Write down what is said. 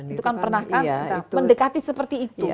itu kan pernah kan mendekati seperti itu